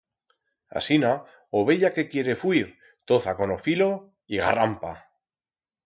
Asina, ovella que quiere fuir toza con o filo y... garrampa!